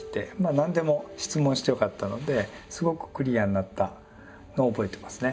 何でも質問してよかったのですごくクリアになったのを覚えてますね。